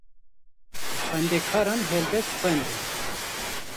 Xwendekaran helbest xwendin.